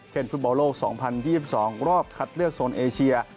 ฟุตบอลโลก๒๐๒๒รอบคัดเลือกโซนเอเชีย